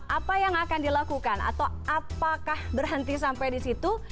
apa yang akan dilakukan atau apakah berhenti sampai di situ